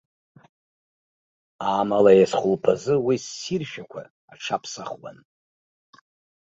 Амала ес-хәылԥазы уи ссиршәақәа аҽаԥсахуан.